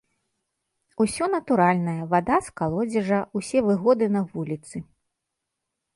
Усё натуральнае, вада з калодзежа, усе выгоды на вуліцы.